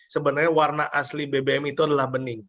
sebenarnya warna asli bbm itu adalah bening